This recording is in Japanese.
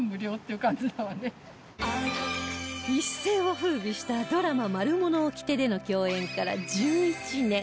一世を風靡したドラマ『マルモのおきて』での共演から１１年